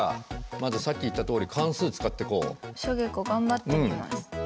まずさっき言ったとおりしょげこ頑張ってみます。